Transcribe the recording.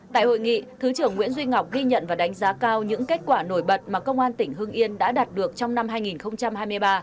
tại hội nghị thứ trưởng nguyễn duy ngọc ghi nhận và đánh giá cao những kết quả nổi bật mà công an tỉnh hương yên đã đạt được trong năm hai nghìn hai mươi ba